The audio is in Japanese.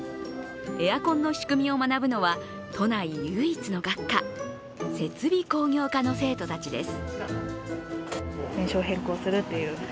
エアコンの仕組みを学ぶのは都内唯一の学科設備工業科の生徒たちです。